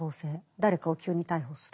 誰かを急に逮捕する。